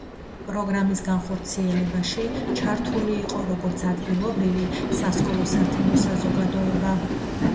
პროგრამის განხორციელებაში ჩართული იყო როგორც ადგილობრივი სასკოლო სათემო საზოგადოება